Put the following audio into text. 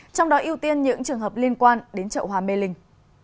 trong đó ưu tiên những trường hợp liên quan đến chậu hòa mê linh